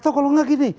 atau kalau gak gini